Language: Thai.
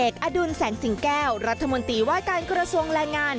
อดุลแสงสิงแก้วรัฐมนตรีว่าการกระทรวงแรงงาน